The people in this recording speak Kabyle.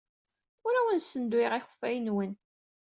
Ur awen-ssenduyeɣ akeffay-nwen.